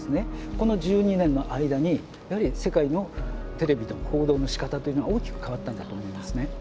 この１２年の間にやはり世界のテレビでも報道のしかたというのは大きく変わったんだと思いますね。